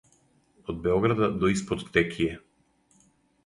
од Београда до испод Текијe